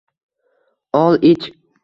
Ol, ich